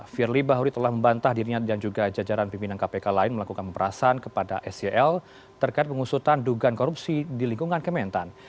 firly bahuri telah membantah dirinya dan juga jajaran pimpinan kpk lain melakukan pemberasan kepada sel terkait pengusutan dugaan korupsi di lingkungan kementan